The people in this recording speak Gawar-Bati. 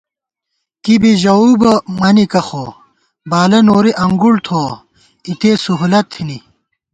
کی بی ژَؤو بہ مَنِکہ خو، بالہ نوری انگُوڑ تھوَہ ، اِتے سہولت تھنی